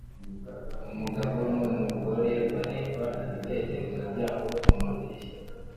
Umugabo numugore bareba ibitekerezo byabo mumadirishya